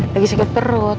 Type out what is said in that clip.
lagi sakit perut